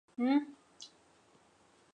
同母弟金晃立为王。